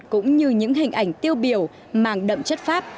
cũng như những hình ảnh tiêu biểu mang đậm chất pháp